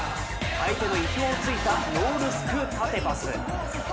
相手の意表を突いた、ノールック縦パス。